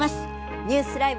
ニュースＬＩＶＥ！